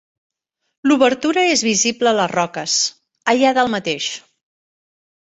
L'obertura és visible a les roques, allà dalt mateix.